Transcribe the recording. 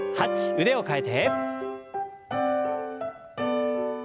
腕を替えて。